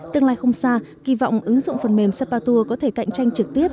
tương lai không xa kỳ vọng ứng dụng phần mềm sapa tour có thể cạnh tranh trực tiếp